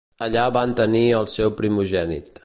Allà van tenir al seu primogènit.